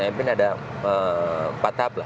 mef ini ada empat tahap lah